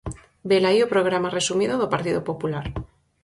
Velaí o programa resumido do Partido Popular.